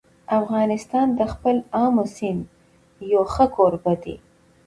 افغانستان د خپل آمو سیند یو ښه کوربه دی.